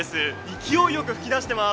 勢いよく噴き出しています。